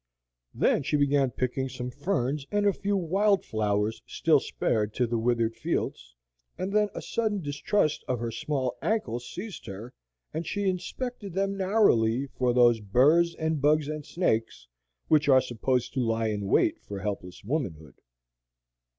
Then she began picking some ferns and a few wild flowers still spared to the withered fields, and then a sudden distrust of her small ankles seized her, and she inspected them narrowly for those burrs and bugs and snakes which are supposed to lie in wait for helpless womanhood.